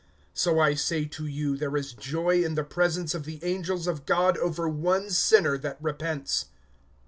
(10)So, I say to you, there is joy in the presence of the angels of God over one sinner that repents.